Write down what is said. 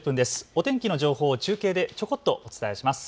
お天気の情報を中継でちょこっとお伝えします。